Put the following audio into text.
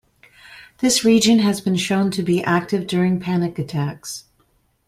This region has been shown to be active during panic attacks.